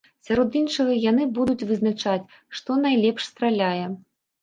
Сярод іншага, яны будуць вызначаць, што найлепш страляе.